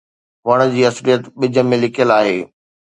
وڻ جي اصليت ٻج ۾ لڪيل آهي.